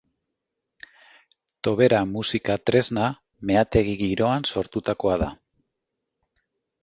Tobera musika tresna meategi giroan sortutakoa da.